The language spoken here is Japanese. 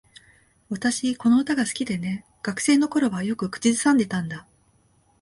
私、この歌が好きでね。学生の頃はよく口ずさんでたんだ。